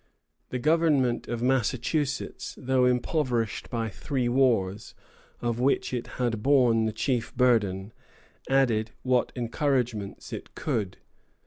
The government of Massachusetts, though impoverished by three wars, of which it had borne the chief burden, added what encouragements it could.